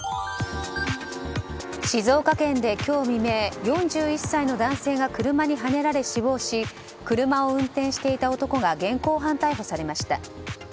静岡県で今日未明４１歳の男性が車にはねられ死亡し車を運転していた男が現行犯逮捕されました。